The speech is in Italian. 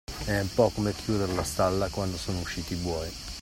È un po' come chiuder la stalla, quando sono usciti i buoi.